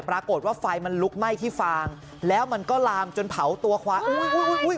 ปรากฏว่าไฟมันลุกไหม้ที่ฟางแล้วมันก็ลามจนเผาตัวควายอุ้ย